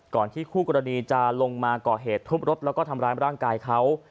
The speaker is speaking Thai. ที่คู่กรณีจะลงมาก่อเหตุทุบรถแล้วก็ทำร้ายร่างกายเขา